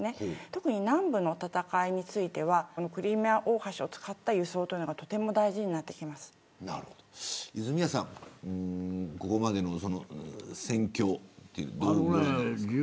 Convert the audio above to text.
特に、南部の戦いについてはクリミア大橋を使った輸送がとても大事になります泉谷さん、ここまでの戦況は、どうご覧になりますか。